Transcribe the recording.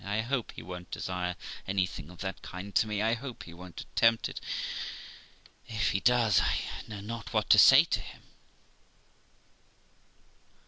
'I hope he won't desire anything of that kind of me ; I hope he won't attempt it If he does, I know not what to say to him.'